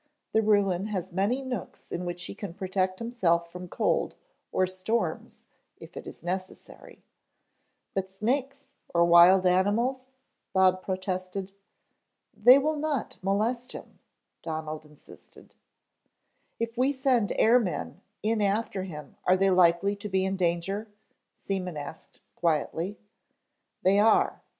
The ruin has many nooks in which he can protect himself from cold or storms if it is necessary " "But snakes, or wild animals " Bob protested. "They will not molest him," Donald insisted. "If we send air men in after him are they likely to be in danger?" Seaman asked quietly. "They are."